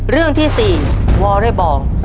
เรื่องที่๔วอเรย์บอล